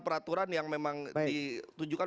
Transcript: peraturan yang memang ditujukan